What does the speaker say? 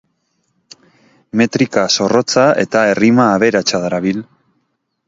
Metrika zorrotza eta errima aberatsa darabil.